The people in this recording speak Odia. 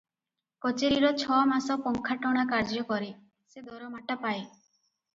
କଚେରିରେ ଛ ମାସ ପଙ୍ଖା ଟଣା କାର୍ଯ୍ୟ କରେ, ସେ ଦରମାଟା ପାଏ ।